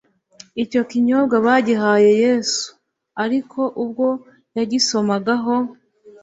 icyo kinyobwa bagihaye yesu; ariko ubwo yagisomagaho,